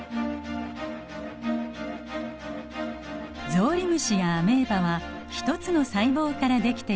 ゾウリムシやアメーバは一つの細胞からできています。